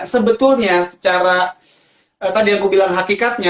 sebetulnya secara tadi aku bilang hakikatnya